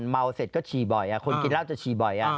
เมาเสร็จก็ชี้บ่อยคนกินร้าวจะชี้บ่อย